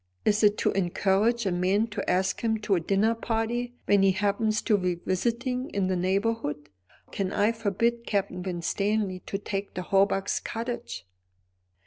Is it to encourage a man to ask him to a dinner party, when he happens to be visiting in the neighbourhood? Can I forbid Captain Winstanley to take the Hawbucks' cottage?"